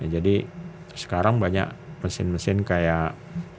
jadi sekarang banyak mesin mesin kayak